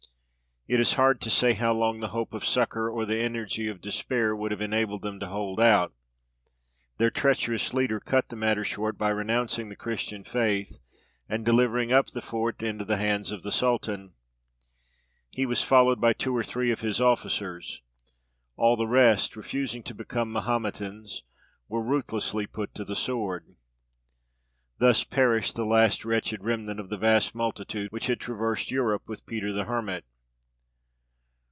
It is hard to say how long the hope of succour or the energy of despair would have enabled them to hold out: their treacherous leader cut the matter short by renouncing the Christian faith, and delivering up the fort into the hands of the sultan. He was followed by two or three of his officers; all the rest, refusing to become Mahometans, were ruthlessly put to the sword. Thus perished the last wretched remnant of the vast multitude which had traversed Europe with Peter the Hermit.